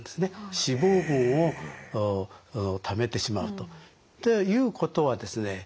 脂肪分を貯めてしまうと。ということはですね